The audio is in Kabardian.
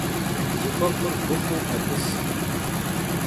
Zıxuexhur bıxhuu met'ıs.